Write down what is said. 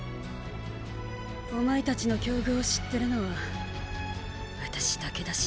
お前たちの境遇を知ってるのは私だけだしな。